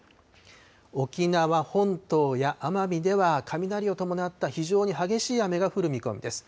沖縄本島や奄美では雷を伴った非常に激しい雨が降る見込みです。